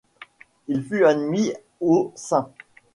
Il fut admis au St.